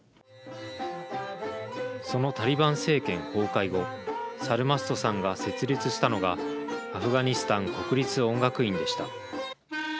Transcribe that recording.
そのタリバン政権崩壊後サルマストさんが設立したのがアフガニスタン国立音楽院でした。